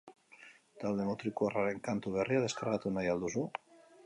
Talde mutrikuarraren kantu berria deskargatu nahi al duzu?